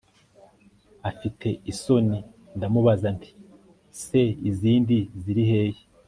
afite isonindamubaza nti se izindi ziri hehe